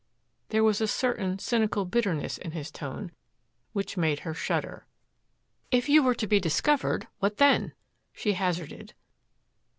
There was a certain cynical bitterness in his tone which made her shudder. "If you were to be discovered what then?" she hazarded.